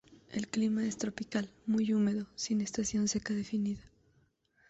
El clima es tropical muy húmedo, sin estación seca definida.